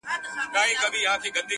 زمـــا د رسـوايـــۍ كــيســه ـ